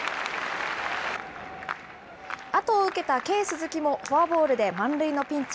後を受けたＫー鈴木もフォアボールで満塁のピンチ。